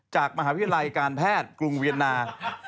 จากมหาวิทยาลัยการแพทย์กรุงเวียนนา